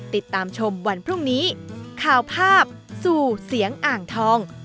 ติดตามชมวันพรุ่งนี้ข่าวภาพสู่เสียงอ่างทอง